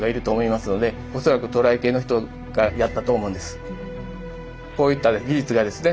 注目はこういった技術がですね